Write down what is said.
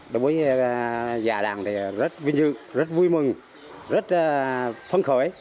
đối với già làng thì rất vinh dự rất vui mừng rất phấn khởi